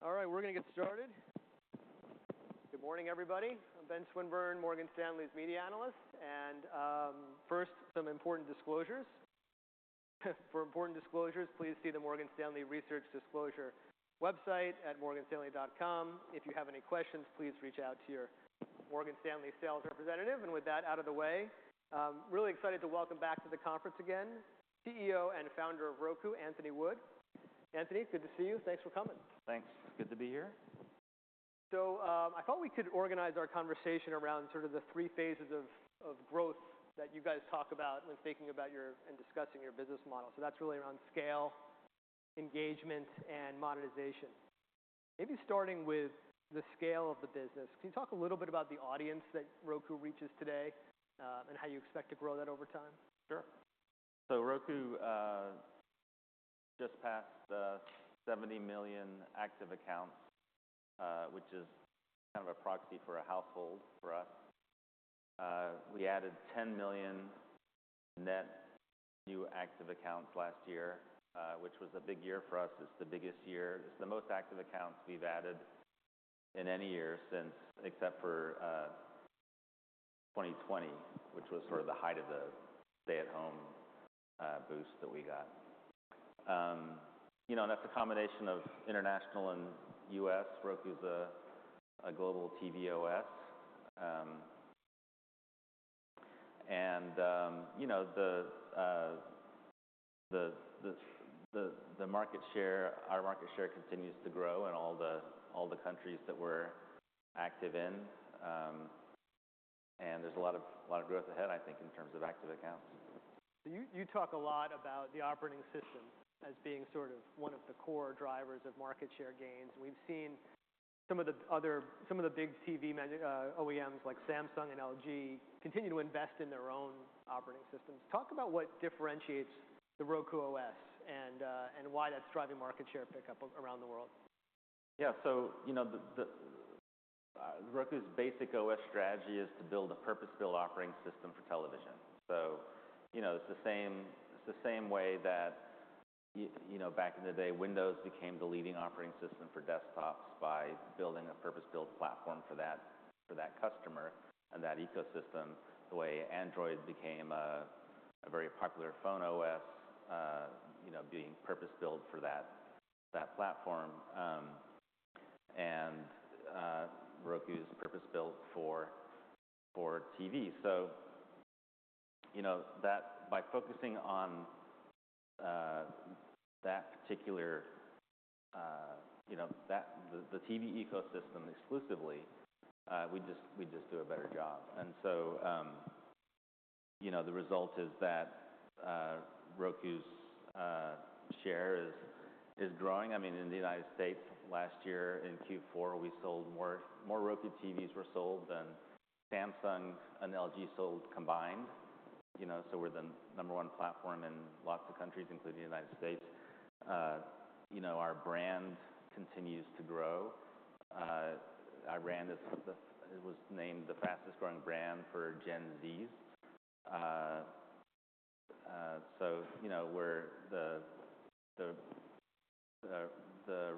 All right, we're gonna get started. Good morning, everybody. I'm Ben Swinburne, Morgan Stanley's Media Analyst. First, some important disclosures. For important disclosures, please see the Morgan Stanley Research Disclosure website at morganstanley.com. If you have any questions, please reach out to your Morgan Stanley sales representative. With that out of the way, really excited to welcome back to the conference again, CEO and Founder of Roku, Anthony Wood. Anthony, good to see you. Thanks for coming. Thanks. Good to be here. I thought we could organize our conversation around sort of the three phases of growth that you guys talk about when thinking about your and discussing your business model. That's really around scale, engagement, and monetization. Maybe starting with the scale of the business. Can you talk a little bit about the audience that Roku reaches today, and how you expect to grow that over time? Sure. Roku just passed 70 million active accounts, which is kind of a proxy for a household for us. We added 10 million net new active accounts last year, which was a big year for us. It's the biggest year. It's the most active accounts we've added in any year since, except for 2020, which was sort of the height of the stay-at-home boost that we got. You know, that's a combination of international and U.S. Roku's a global TV OS. You know, the market share, our market share continues to grow in all the countries that we're active in. There's a lot of, lot of growth ahead, I think, in terms of active accounts. You talk a lot about the operating system as being sort of one of the core drivers of market share gains. We've seen some of the big OEMs like Samsung and LG continue to invest in their own operating systems. Talk about what differentiates the Roku OS and why that's driving market share pickup around the world. Yeah. You know, the Roku's basic OS strategy is to build a purpose-built operating system for television. You know, it's the same way that you know, back in the day, Windows became the leading operating system for desktops by building a purpose-built platform for that customer and that ecosystem, the way Android became a very popular phone OS, you know, being purpose-built for that platform. Roku's purpose-built for TV. You know, that by focusing on that particular, you know, the TV ecosystem exclusively, we just do a better job. You know, the result is that Roku's share is growing. I mean, in the United States last year in Q4, we sold more... More Roku TVs were sold than Samsung and LG sold combined. You know, we're the number one platform in lots of countries, including the United States. You know, our brand continues to grow. It was named the fastest growing brand for Gen Zs. You know, we're the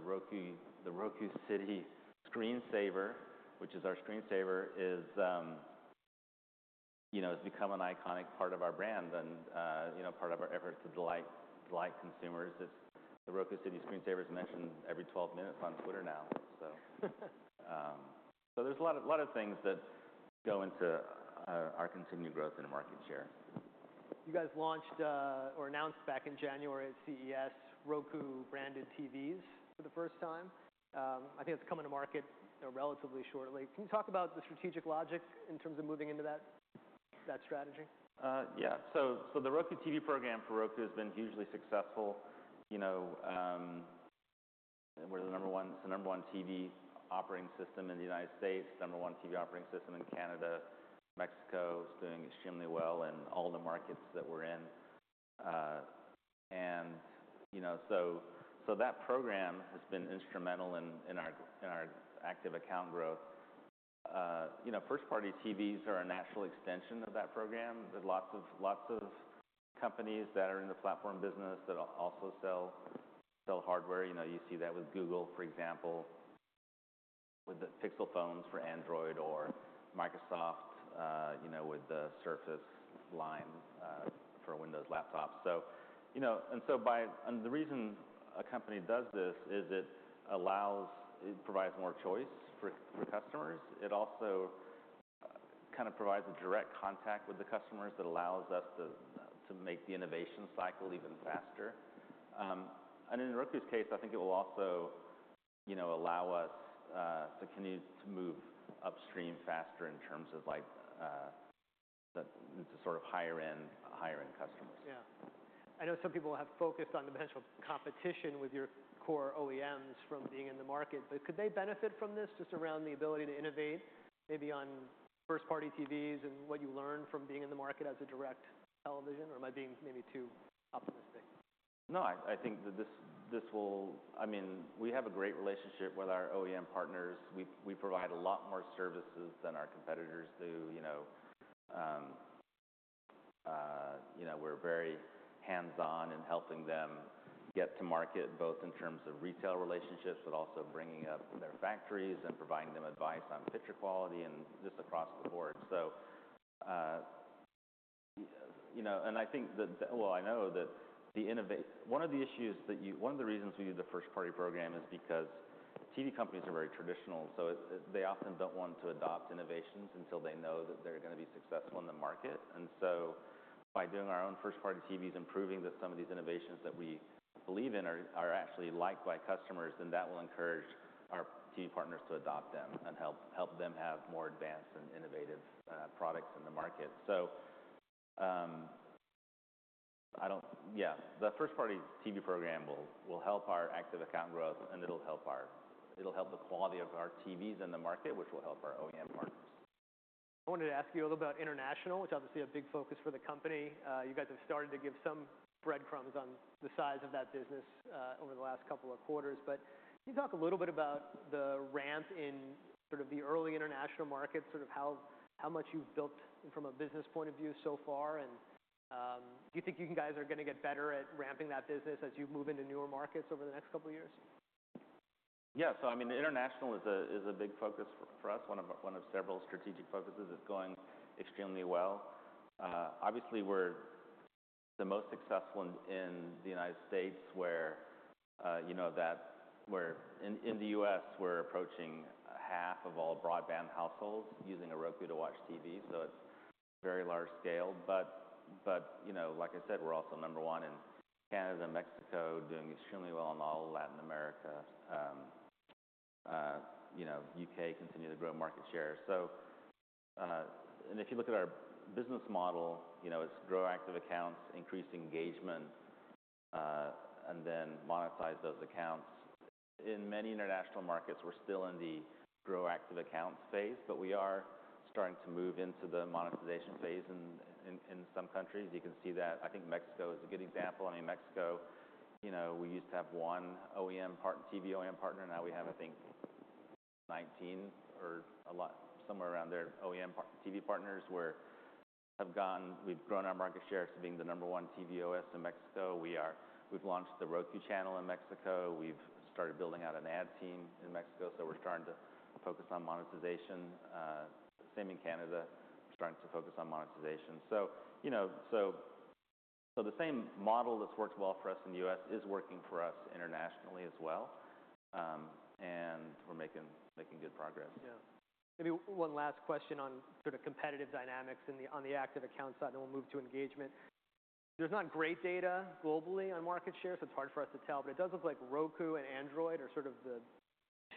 Roku, the Roku City Screensaver, which is our screensaver, is, you know, has become an iconic part of our brand and, you know, part of our effort to delight consumers. It's the Roku City Screensaver's mentioned every 12 minutes on Twitter now. There's a lot of things that go into our continued growth in the market share. You guys launched or announced back in January at CES, Roku-branded TVs for the first time. I think it's coming to market, you know, relatively shortly. Can you talk about the strategic logic in terms of moving into that strategy? Yeah. The Roku TV program for Roku has been hugely successful. You know, it's the number one TV operating system in the United States, number one TV operating system in Canada. Mexico, it's doing extremely well in all the markets that we're in. You know, so that program has been instrumental in our active account growth. You know, first-party TVs are a natural extension of that program. There's lots of companies that are in the platform business that also sell hardware. You know, you see that with Google, for example, with the Pixel phones for Android or Microsoft, you know, with the Surface line for Windows laptops. You know, the reason a company does this is it provides more choice for customers. It also kind of provides a direct contact with the customers that allows us to make the innovation cycle even faster. In Roku's case, I think it will also, you know, allow us to continue to move upstream faster in terms of like, the sort of higher-end customers. Yeah. I know some people have focused on the potential competition with your core OEMs from being in the market. Could they benefit from this just around the ability to innovate maybe on first-party TVs and what you learn from being in the market as a direct television? Am I being maybe too optimistic? No, I think that, I mean, we have a great relationship with our OEM partners. We provide a lot more services than our competitors do, you know. You know, we're very hands-on in helping them get to market, both in terms of retail relationships, but also bringing up their factories and providing them advice on picture quality and just across the board. You know, I know that one of the reasons we do the first-party program is because TV companies are very traditional, they often don't want to adopt innovations until they know that they're gonna be successful in the market. By doing our own first-party TVs and proving that some of these innovations that we believe in are actually liked by customers, then that will encourage our TV partners to adopt them and help them have more advanced and innovative products in the market. I don't... Yeah. The first-party TV program will help our active account growth, and it'll help the quality of our TVs in the market, which will help our OEM partners. I wanted to ask you a little about international, which obviously a big focus for the company. You guys have started to give some breadcrumbs on the size of that business, over the last couple of quarters. Can you talk a little bit about the ramp in sort of the early international markets, sort of how much you've built from a business point of view so far, and, do you think you guys are gonna get better at ramping that business as you move into newer markets over the next couple years? Yeah. I mean, international is a big focus for us. One of several strategic focuses. It's going extremely well. Obviously we're the most successful in the United States where, you know, In the U.S. we're approaching half of all broadband households using a Roku to watch TV, so it's very large scale. But, you know, like I said, we're also number one in Canada and Mexico, doing extremely well in all of Latin America. You know, U.K. continue to grow market share. If you look at our business model, you know, it's grow active accounts, increase engagement, and then monetize those accounts. In many international markets, we're still in the grow active accounts phase, but we are starting to move into the monetization phase in some countries. You can see that, I think Mexico is a good example. I mean, Mexico, you know, we used to have one TV OEM partner. Now we have, I think, 19 or somewhere around there, TV partners where have gone. We've grown our market share to being the number one TV OS in Mexico. We've launched The Roku Channel in Mexico. We've started building out an ad team in Mexico, so we're starting to focus on monetization. Same in Canada, starting to focus on monetization. You know, the same model that's worked well for us in the U.S. is working for us internationally as well. We're making good progress. Yeah. Maybe one last question on sort of competitive dynamics in the-- on the active account side, then we'll move to engagement. There's not great data globally on market share, so it's hard for us to tell, but it does look like Roku and Android are sort of the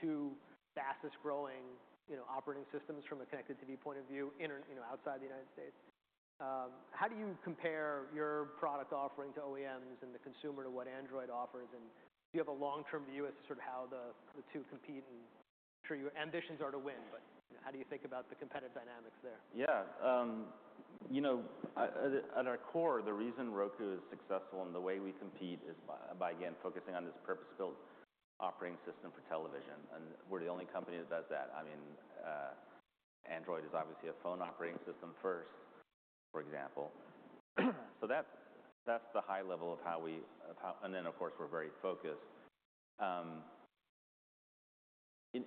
two fastest growing, you know, operating systems from a connected TV point of view inter-- you know, outside the United States. How do you compare your product offering to OEMs and the consumer to what Android offers and do you have a long-term view as to sort of how the two compete? I'm sure your ambitions are to win, but how do you think about the competitive dynamics there? Yeah. You know, at our core, the reason Roku is successful and the way we compete is by again focusing on this purpose-built operating system for television, and we're the only company that does that. I mean, Android is obviously a phone operating system first, for example. That's the high level of how we. Then, of course, we're very focused. The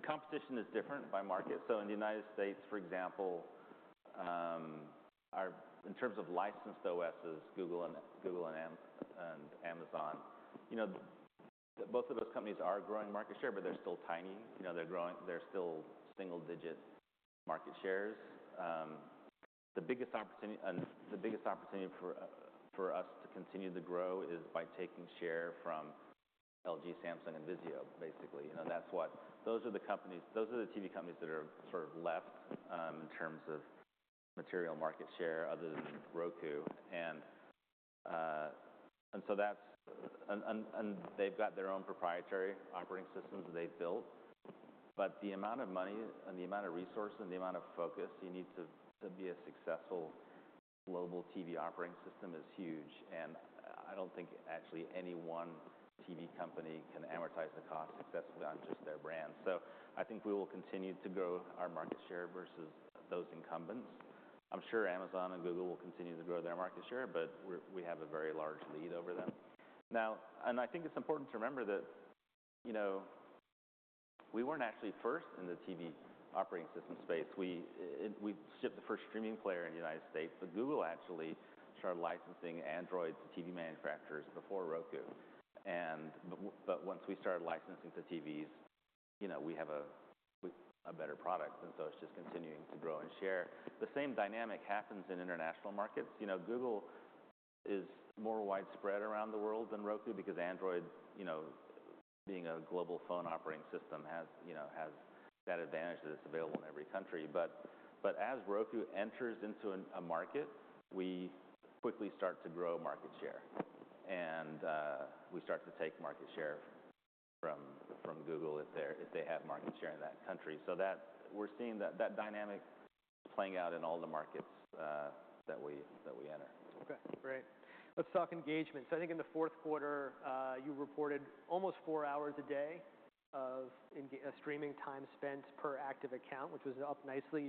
competition is different by market. In the United States, for example, In terms of licensed OSs, Google and Amazon. You know, both of those companies are growing market share, but they're still tiny. You know, they're still single-digit market shares. The biggest opportunity for us to continue to grow is by taking share from LG, Samsung, and Vizio, basically. You know, those are the TV companies that are sort of left in terms of material market share other than Roku. They've got their own proprietary operating systems that they've built, but the amount of money and the amount of resource and the amount of focus you need to be a successful global TV operating system is huge, and I don't think actually any one TV company can amortize the cost successfully on just their brand. I think we will continue to grow our market share versus those incumbents. I'm sure Amazon and Google will continue to grow their market share, but we have a very large lead over them. Now, I think it's important to remember that, you know, we weren't actually first in the TV operating system space. We shipped the first streaming player in the United States, but Google actually started licensing Android to TV manufacturers before Roku. But once we started licensing to TVs, you know, we have a better product, so it's just continuing to grow and share. The same dynamic happens in international markets. You know, Google is more widespread around the world than Roku because Android, you know, being a global phone operating system has, you know, has that advantage that it's available in every country. as Roku enters into a market, we quickly start to grow market share, and we start to take market share from Google if they have market share in that country. We're seeing that dynamic playing out in all the markets that we enter. Okay. Great. Let's talk engagement. I think in the fourth quarter, you reported almost 4 hours a day of streaming time spent per active account, which was up nicely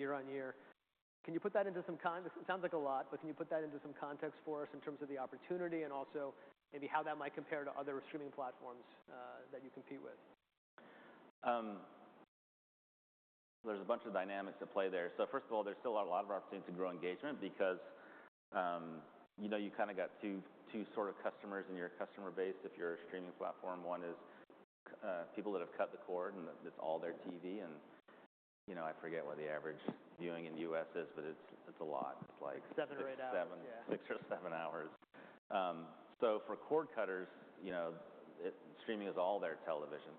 year-on-year. It sounds like a lot, but can you put that into some context for us in terms of the opportunity and also maybe how that might compare to other streaming platforms that you compete with? There's a bunch of dynamics at play there. First of all, there still are a lot of opportunities to grow engagement because, you know, you kinda got two sort of customers in your customer base if you're a streaming platform. One is people that have cut the cord and it's all their TV and, you know, I forget what the average viewing in the U.S. is, but it's a lot. Like seven or eight hours. six, seven. Yeah. Six or seven hours. For cord cutters, you know, streaming is all their television.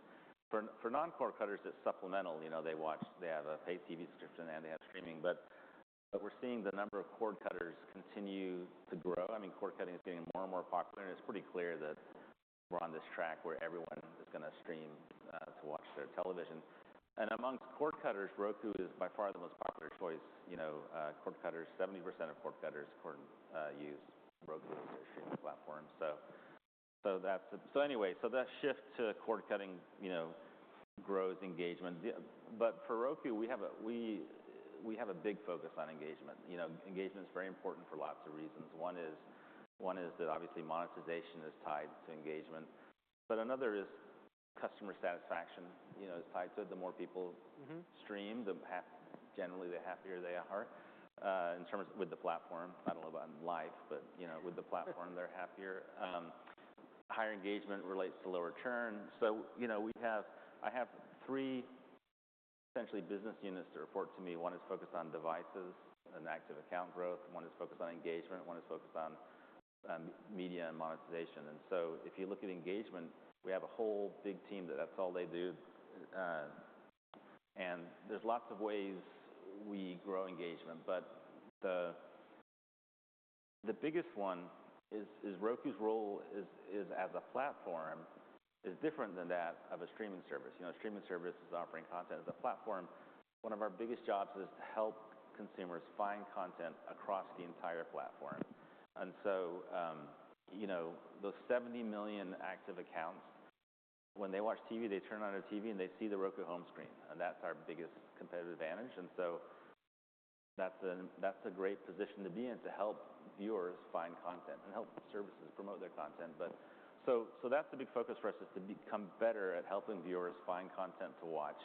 For non-cord cutters, it's supplemental. You know, they have a paid TV subscription and they have streaming. We're seeing the number of cord cutters continue to grow. I mean, cord cutting is getting more and more popular, and it's pretty clear that we're on this track where everyone is gonna stream to watch their television. Amongst cord cutters, Roku is by far the most popular choice. You know, 70% of cord cutters use Roku as their streaming platform. That shift to cord cutting, you know, grows engagement. For Roku, we have a big focus on engagement. You know, engagement's very important for lots of reasons. One is that obviously monetization is tied to engagement. Another is customer satisfaction, you know, is tied to it. Mm-hmm. -stream, generally, the happier they are with the platform. I don't know about in life, but, you know, with the platform they're happier. Higher engagement relates to lower churn. You know, I have three essentially business units that report to me. One is focused on devices and active account growth. One is focused on engagement. One is focused on media and monetization. If you look at engagement, we have a whole big team that's all they do. There's lots of ways we grow engagement. The biggest one is Roku's role as a platform is different than that of a streaming service. You know, a streaming service is offering content. As a platform, one of our biggest jobs is to help consumers find content across the entire platform. You know, those 70 million active accounts, when they watch TV, they turn on their TV, and they see the Roku home screen, and that's our biggest competitive advantage. That's an, that's a great position to be in to help viewers find content and help services promote their content. So that's the big focus for us, is to become better at helping viewers find content to watch.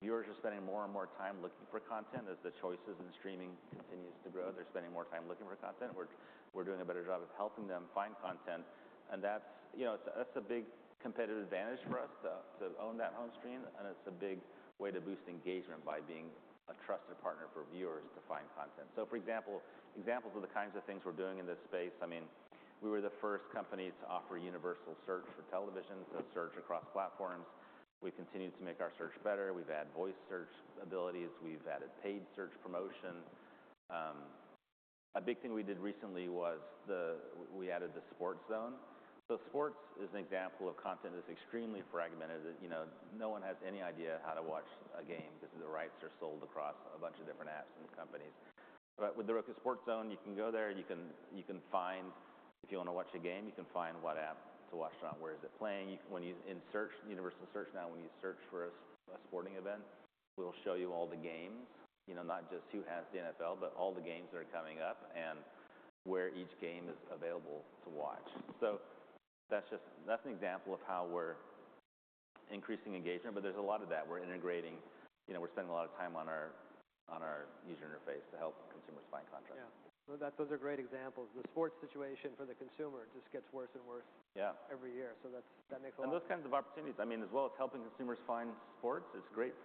Viewers are spending more and more time looking for content. As the choices in streaming continues to grow, they're spending more time looking for content. We're doing a better job of helping them find content, and that's, you know, that's a big competitive advantage for us to own that home screen. It's a big way to boost engagement by being a trusted partner for viewers to find content. For example, examples of the kinds of things we're doing in this space, I mean, we were the first company to offer universal search for television. Search across platforms. We've continued to make our search better. We've added voice search abilities. We've added paid search promotion. A big thing we did recently was we added the Sports Zone. Sports is an example of content that's extremely fragmented that, you know, no one has any idea how to watch a game because the rights are sold across a bunch of different apps and companies. With the Roku Sports Zone, you can go there, you can find... If you wanna watch a game, you can find what app to watch it on. Where is it playing? In search, universal search now, when you search for a sporting event, we'll show you all the games. You know, not just who has the NFL, but all the games that are coming up and where each game is available to watch. That's an example of how we're increasing engagement, but there's a lot of that. We're integrating. You know, we're spending a lot of time on our user interface to help consumers find content. Yeah. No. Those are great examples. The sports situation for the consumer just gets worse and worse. Yeah. -every year. That's, that makes a lot of sense. Those kinds of opportunities, I mean, as well as helping consumers find sports, it's great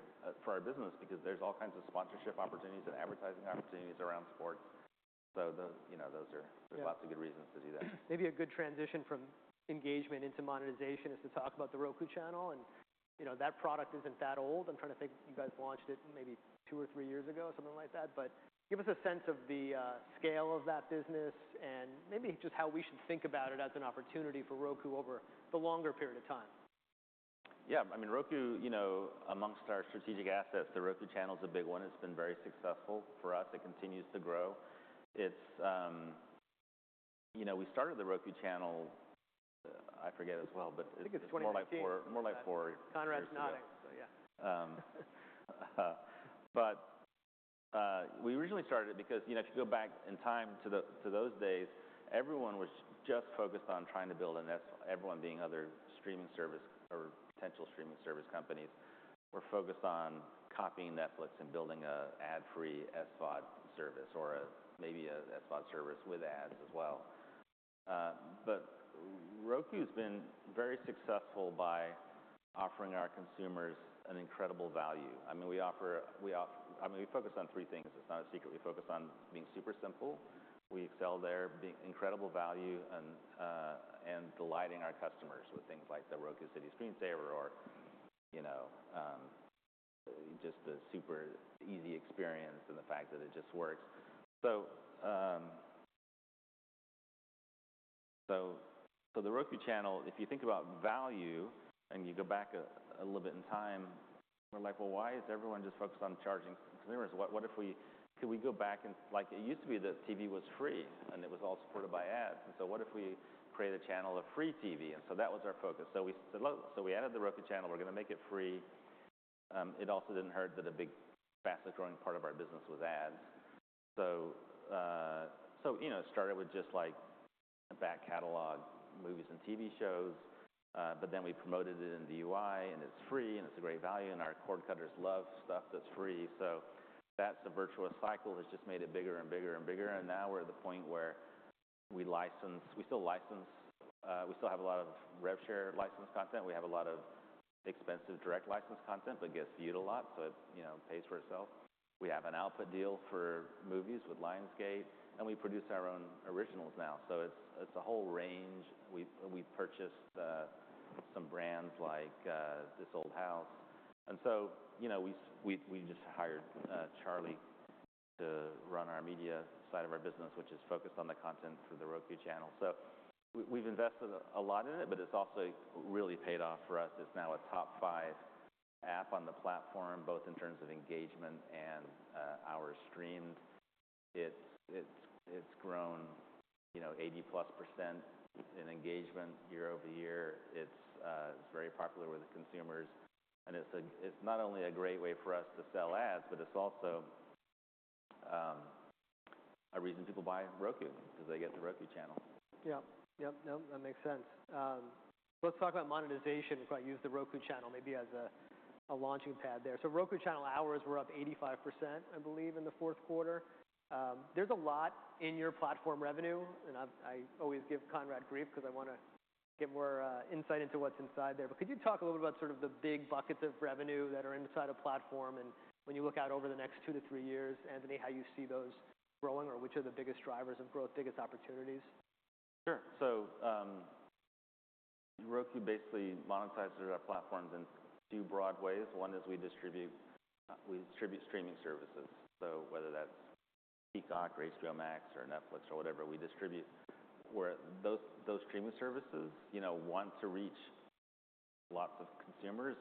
for our business because there's all kinds of sponsorship opportunities and advertising opportunities around sports. you know, those are. Yeah. There's lots of good reasons to do that. Maybe a good transition from engagement into monetization is to talk about The Roku Channel. You know, that product isn't that old. I'm trying to think. You guys launched it maybe two or three years ago, something like that. Give us a sense of the scale of that business and maybe just how we should think about it as an opportunity for Roku over the longer period of time. Yeah. I mean, Roku, you know, amongst our strategic assets, The Roku Channel's a big one. It's been very successful for us. It continues to grow. It's. You know, we started The Roku Channel, I forget as well. I think it's 2018. More like four years ago. Conrad's nodding. Yeah. We originally started it because, you know, if you go back in time to those days, everyone was just focused on trying to build a Netfl-- everyone being other streaming service or potential streaming service companies, were focused on copying Netflix and building a ad-free SVOD service or a, maybe a SVOD service with ads as well. Roku's been very successful by offering our consumers an incredible value. I mean, we offer, I mean, we focus on three things. It's not a secret. We focus on being super simple. We excel there. Being incredible value and delighting our customers with things like the Roku City Screensaver or, you know, just the super easy experience and the fact that it just works. So The Roku Channel, if you think about value and you go back a little bit in time, we're like, 'Well, why is everyone just focused on charging consumers?' Could we go back and Like, it used to be that TV was free, and it was all supported by ads. What if we create a channel of free TV? That was our focus. We said, "Look," so we added The Roku Channel. We're gonna make it free. It also didn't hurt that a big, fastest growing part of our business was ads. You know, it started with just, like, back catalog movies and TV shows. We promoted it in the UI, and it's free, and it's a great value, and our cord cutters love stuff that's free. That's the virtuous cycle that's just made it bigger and bigger and bigger. Now we're at the point where we still license. We still have a lot of rev share licensed content. We have a lot of expensive direct licensed content that gets viewed a lot, so it, you know, pays for itself. We have an output deal for movies with Lionsgate, and we produce our own originals now. It's a whole range. We've purchased some brands like This Old House. You know, we just hired Charlie to run our media side of our business, which is focused on the content for The Roku Channel. We've invested a lot in it, but it's also really paid off for us. It's now a top five app on the platform, both in terms of engagement and hours streamed. It's grown, you know, 80%+ in engagement year-over-year. It's very popular with consumers, and it's not only a great way for us to sell ads, but it's also a reason people buy Roku because they get The Roku Channel. Yeah. Yep. No, that makes sense. Let's talk about monetization if I use The Roku Channel maybe as a launching pad there. Roku Channel hours were up 85%, I believe, in the fourth quarter. There's a lot in your platform revenue, and I always give Conrad grief because I wanna get more insight into what's inside there. Could you talk a little bit about sort of the big buckets of revenue that are inside a platform? When you look out over the next two to three years, Anthony, how you see those growing or which are the biggest drivers of growth, biggest opportunities? Sure. Roku basically monetizes our platforms in two broad ways. One is we distribute streaming services. Whether that's Peacock or HBO Max or Netflix or whatever, we distribute where those streaming services, you know, want to reach lots of consumers.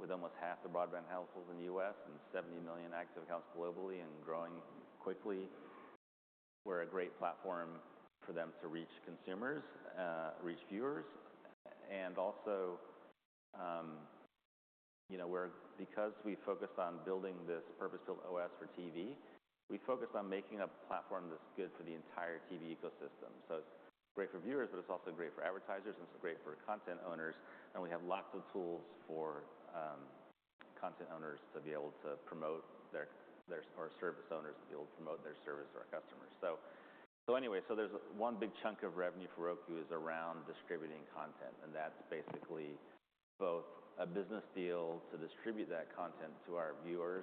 With almost half the broadband households in the US and 70 million active accounts globally and growing quickly, we're a great platform for them to reach consumers, reach viewers. Also, you know, because we focus on building this purpose-built OS for TV, we focus on making a platform that's good for the entire TV ecosystem. It's great for viewers, but it's also great for advertisers, and it's great for content owners. We have lots of tools for content owners to be able to promote their service owners to be able to promote their service to our customers. Anyway, there's one big chunk of revenue for Roku is around distributing content, and that's basically both a business deal to distribute that content to our viewers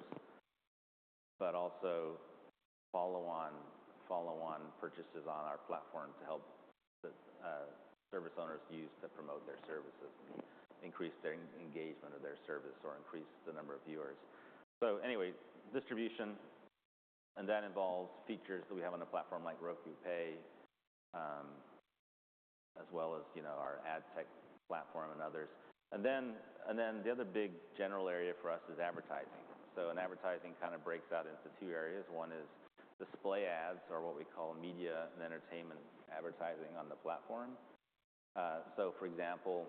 but also follow on purchases on our platform to help the service owners use to promote their services and increase their engagement of their service or increase the number of viewers. Anyway, distribution, and that involves features that we have on the platform like Roku Pay, as well as, you know, our ad tech platform and others. The other big general area for us is advertising. In advertising kind of breaks out into two areas. One is display ads or what we call media and entertainment advertising on the platform. For example.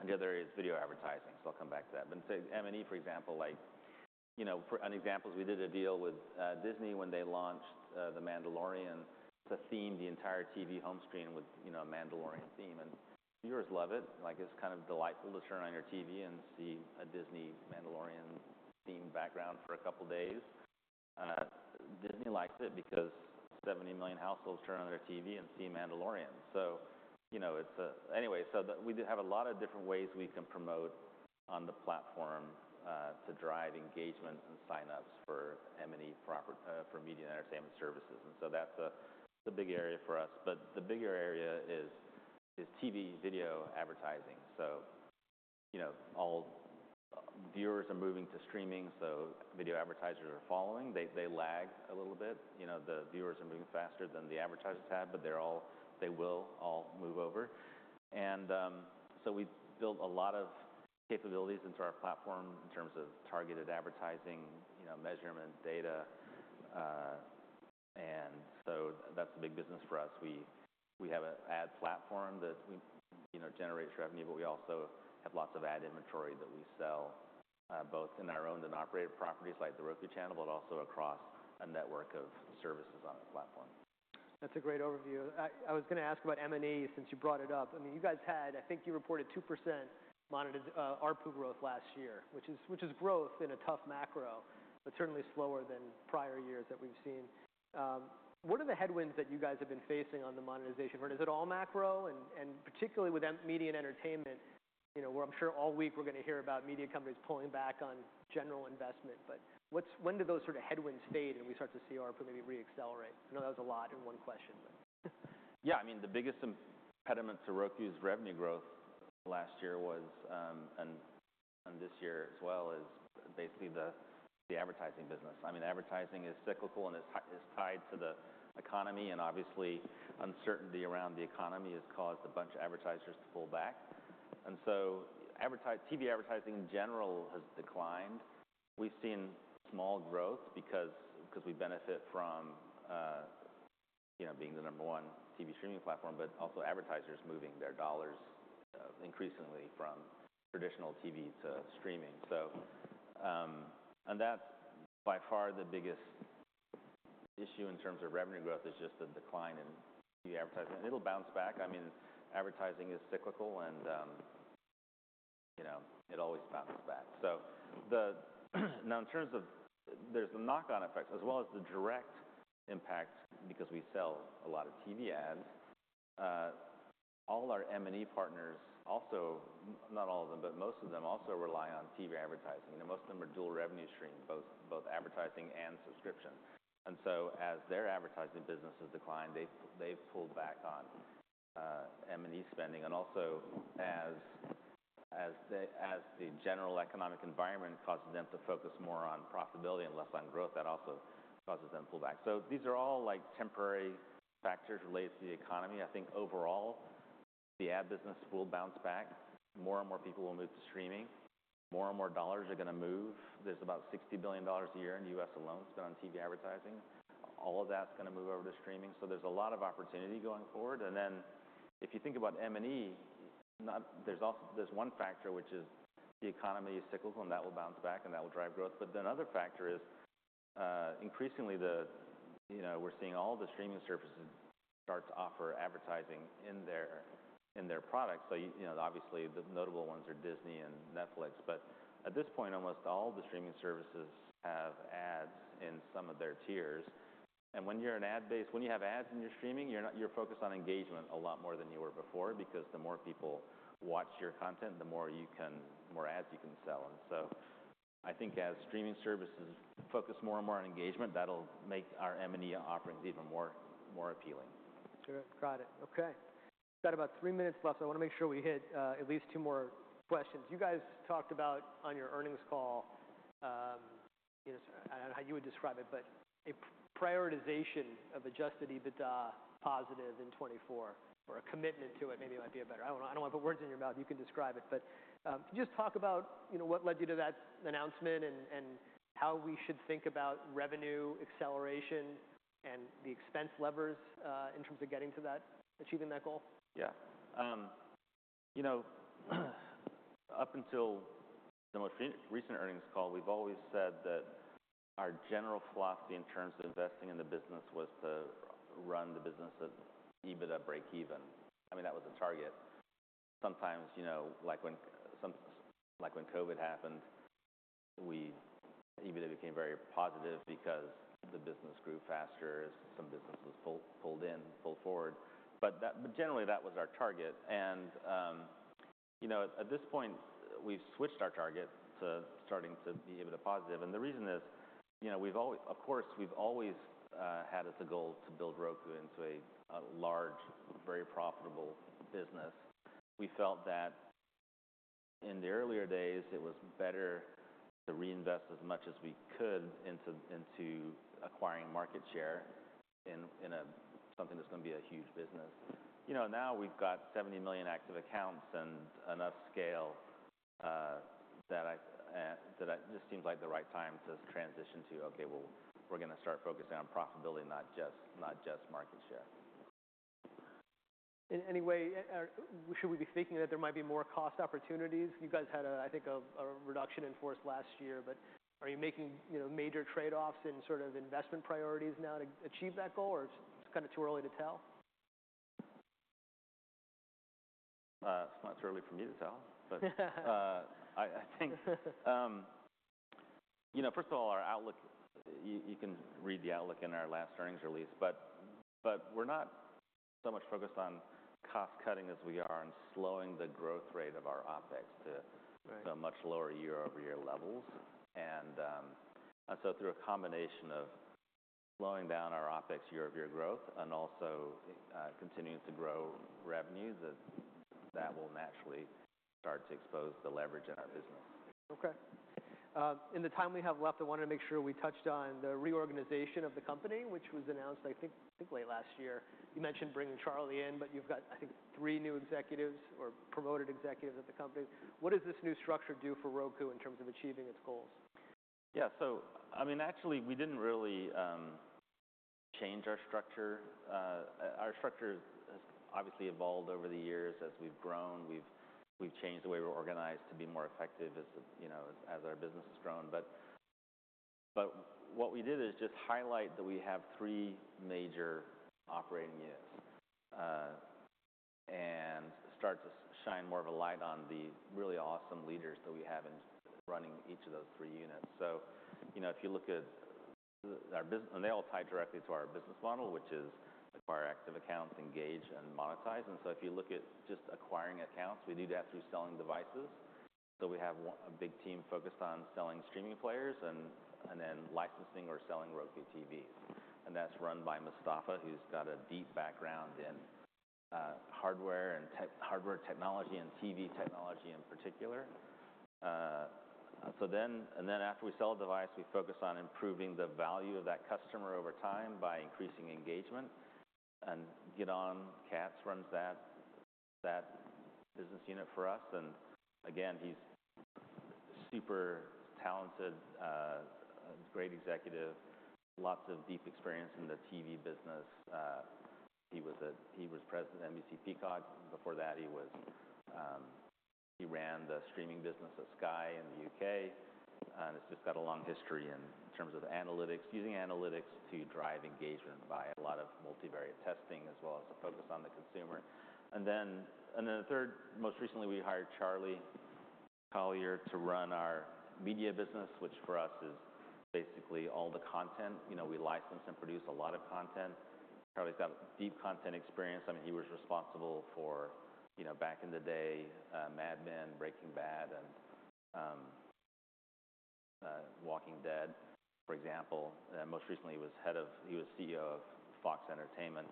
The other area is video advertising, so I'll come back to that. Say M&E, for example, like, you know, for an example, we did a deal with Disney when they launched The Mandalorian to theme the entire TV home screen with, you know, a Mandalorian theme. Viewers love it. Like, it's kind of delightful to turn on your TV and see a Disney Mandalorian-themed background for a couple days. Disney likes it because 70 million households turn on their TV and see Mandalorian. You know, anyway, we do have a lot of different ways we can promote on the platform to drive engagement and signups for M&E for media and entertainment services. That's a big area for us. The bigger area is TV video advertising. You know, all viewers are moving to streaming, so video advertisers are following. They lag a little bit. You know, the viewers are moving faster than the advertisers have, but they will all move over. So we built a lot of capabilities into our platform in terms of targeted advertising, you know, measurement data. That's a big business for us. We have an ad platform that, you know, generates revenue, but we also have lots of ad inventory that we sell, both in our owned and operated properties like The Roku Channel, but also across a network of services on the platform. That's a great overview. I was gonna ask about M&E since you brought it up. I mean, you guys had, I think you reported 2% monetized ARPU growth last year, which is growth in a tough macro, but certainly slower than prior years that we've seen. What are the headwinds that you guys have been facing on the monetization front? Is it all macro? Particularly with media and entertainment, you know, where I'm sure all week we're gonna hear about media companies pulling back on general investment. When do those sort of headwinds fade, and we start to see ARPU maybe re-accelerate? I know that was a lot in one question, but Yeah. I mean, the biggest impediment to Roku's revenue growth last year was, and this year as well, is basically the advertising business. I mean, advertising is cyclical and is tied to the economy, obviously uncertainty around the economy has caused a bunch of advertisers to pull back. TV advertising, in general, has declined. We've seen small growth because we benefit from, you know, being the number 1 TV streaming platform, but also advertisers moving their dollars increasingly from traditional TV to streaming. That's by far the biggest issue in terms of revenue growth, is just the decline in the advertising. It'll bounce back. I mean, advertising is cyclical and, you know, it always bounces back. The... There's the knock-on effects as well as the direct impact because we sell a lot of TV ads. All our M&E partners also, not all of them, but most of them also rely on TV advertising, and most of them are dual revenue stream, both advertising and subscription. As their advertising business has declined, they've pulled back on M&E spending. As the general economic environment causes them to focus more on profitability and less on growth, that also causes them to pull back. These are all, like, temporary factors related to the economy. I think overall, the ad business will bounce back. More and more people will move to streaming. More and more dollars are gonna move. There's about $60 billion a year in the U.S. alone spent on TV advertising. All of that's gonna move over to streaming. There's a lot of opportunity going forward. If you think about M&E, There's one factor, which is the economy is cyclical, and that will bounce back, and that will drive growth. Another factor is, increasingly the, you know, we're seeing all the streaming services start to offer advertising in their, in their products. You know, obviously the notable ones are Disney and Netflix. At this point, almost all the streaming services have ads in some of their tiers. When you have ads in your streaming, you're focused on engagement a lot more than you were before because the more people watch your content, the more you can... more ads you can sell. I think as streaming services focus more and more on engagement, that'll make our M&E offerings even more appealing. Sure. Got it. Okay. Got about three minutes left, so I wanna make sure we hit at least two more questions. You guys talked about on your earnings call, I guess, I don't know how you would describe it, but a prioritization of adjusted EBITDA positive in 2024, or a commitment to it maybe might be a better... I don't wanna put words in your mouth. You can describe it. Can you just talk about, you know, what led you to that announcement and how we should think about revenue acceleration and the expense levers in terms of getting to that, achieving that goal? Yeah, you know, up until the most recent earnings call, we've always said that our general philosophy in terms of investing in the business was to run the business at EBITDA breakeven. I mean, that was the target. Sometimes, you know, like when COVID happened, EBITDA became very positive because the business grew faster as some businesses fold in, fold forward. Generally, that was our target. You know, at this point, we've switched our target to starting to be EBITDA positive. The reason is, you know, we've always, of course, we've always had as a goal to build Roku into a large, very profitable business. We felt that in the earlier days, it was better to reinvest as much as we could into acquiring market share in a something that's gonna be a huge business. You know, now we've got 70 million active accounts and enough scale. This seems like the right time to transition to, okay, well, we're gonna start focusing on profitability, not just market share. In any way, should we be thinking that there might be more cost opportunities? You guys had a, I think a reduction in force last year, but are you making, you know, major trade-offs in sort of investment priorities now to achieve that goal, or it's kinda too early to tell? it's not too early for me to tell. I think, you know, first of all, our outlook, you can read the outlook in our last earnings release. We're not so much focused on cost-cutting as we are on slowing the growth rate of our OpEx to- Right... to much lower year-over-year levels. Through a combination of slowing down our OpEx year-over-year growth and also continuing to grow revenue, that will naturally start to expose the leverage in our business. In the time we have left, I wanted to make sure we touched on the reorganization of the company, which was announced late last year. You mentioned bringing Charlie in, but you've got 3 new executives or promoted executives at the company. What does this new structure do for Roku in terms of achieving its goals? Yeah. I mean, actually, we didn't really change our structure. Our structure has obviously evolved over the years as we've grown. We've changed the way we're organized to be more effective as, you know, as our business has grown. What we did is just highlight that we have three major operating units and start to shine more of a light on the really awesome leaders that we have in running each of those three units. You know, if you look at our business. They all tie directly to our business model, which is acquire active accounts, engage, and monetize. If you look at just acquiring accounts, we do that through selling devices. We have a big team focused on selling streaming players and then licensing or selling Roku TVs. That's run by Mustafa, who's got a deep background in hardware technology and TV technology in particular. After we sell a device, we focus on improving the value of that customer over time by increasing engagement, and Gidon Katz runs that business unit for us. Again, he's super talented, a great executive, lots of deep experience in the TV business. He was president of NBC Peacock. Before that, he ran the streaming business at Sky in the U.K., and has just got a long history in terms of analytics, using analytics to drive engagement via a lot of multivariate testing as well as a focus on the consumer. Third, most recently, we hired Charlie Collier to run our media business, which for us is basically all the content. You know, we license and produce a lot of content. Charlie's got deep content experience. I mean, he was responsible for, you know, back in the day, Mad Men, Breaking Bad, and Walking Dead, for example. Most recently, he was CEO of Fox Entertainment.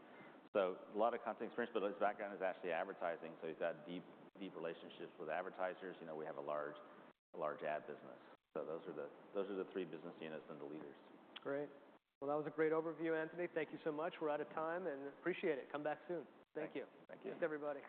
A lot of content experience, but his background is actually advertising, so he's got deep, deep relationships with advertisers. You know, we have a large ad business. Those are the three business units and the leaders. Great. Well, that was a great overview, Anthony. Thank you so much. We're out of time, and appreciate it. Come back soon. Thank you. Thank you. Thanks, everybody.